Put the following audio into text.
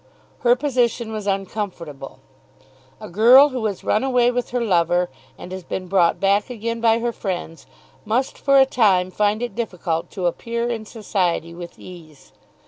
Her position was uncomfortable. A girl who has run away with her lover and has been brought back again by her friends, must for a time find it difficult to appear in society with ease.